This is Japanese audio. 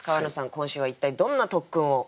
今週は一体どんな特訓を？